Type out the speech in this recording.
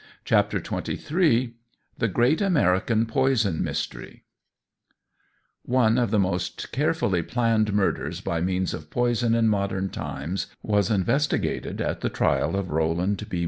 CHAPTER XXIII THE GREAT AMERICAN POISON MYSTERY ONE of the most carefully planned murders by means of poison in modern times was investigated at the trial of Roland B.